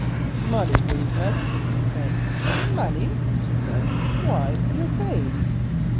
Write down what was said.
"Money please, miss," he said. "Money!" she said, "why you're paid."